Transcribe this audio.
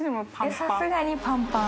さすがにパンパン。